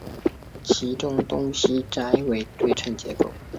其中东西斋为对称结构。